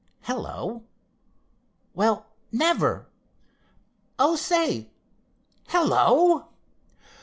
Hello—well, never! Oh, say, hello!"